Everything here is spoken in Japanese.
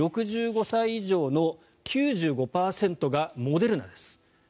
６５歳以上の９５％がモデルナです。